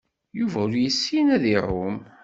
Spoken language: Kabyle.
Yuba ur yessin ad iɛum.